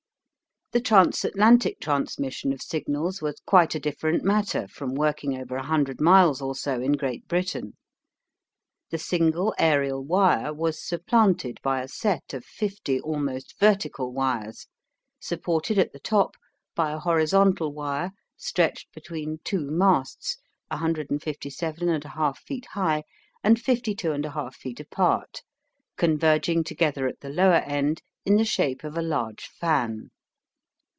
The trans Atlantic transmission of signals was quite a different matter from working over 100 miles or so in Great Britain. The single aerial wire was supplanted by a set of fifty almost vertical wires, supported at the top by a horizontal wire stretched between two masts 157 1/2 feet high and 52 1/2 feet apart, converging together at the lower end in the shape of a large fan.